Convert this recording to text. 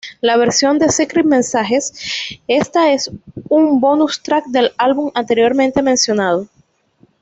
La versión de "Secret Messages" está en un "bonus track" del álbum anteriormente mencionado.